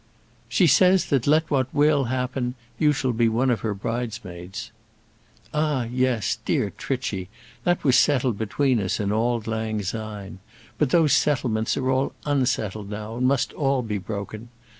"She says, that let what will happen you shall be one of her bridesmaids." "Ah, yes, dear Trichy! that was settled between us in auld lang syne; but those settlements are all unsettled now, must all be broken.